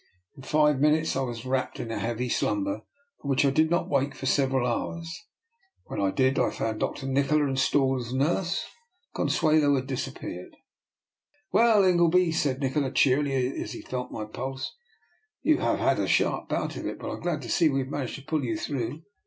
In five minutes I was wrapped in a heavy slumber, from which I did not wake for several hours. When I did, I found Dr. Ni kola installed as nurse; Consuelo had disap peared. Well, Ingleby," said Nikola cheerily, as he felt my pulse, " you have had a sharp bout of it, but I am glad to see we have managed to pull you through.